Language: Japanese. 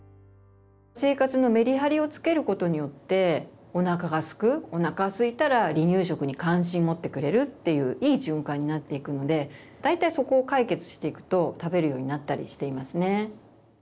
生活のメリハリをつけることによっておなかがすくおなかすいたら離乳食に関心持ってくれるっていういい循環になっていくので大体そこを解決していくと食べるようになったりしていますね。